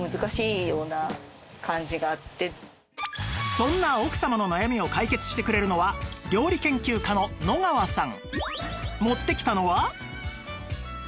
そんな奥様の悩みを解決してくれるのは料理研究家の野川さん